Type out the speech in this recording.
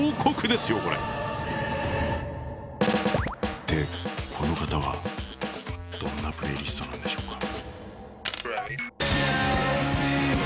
でこの方はどんなプレイリストなんでしょうか？